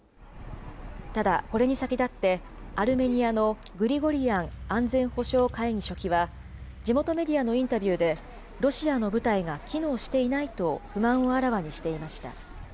ただこれに先立って、アルメニアのグリゴリアン安全保障会議書記は、地元メディアのインタビューで、ロシアの部隊が機能していないと不満をあらわにしていました。